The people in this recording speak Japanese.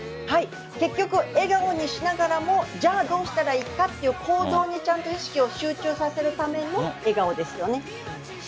結局、笑顔にしながらもじゃあどうしたらいいかという行動にちゃんと意識を集中させるための笑顔ですよね。